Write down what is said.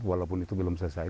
walaupun itu belum selesai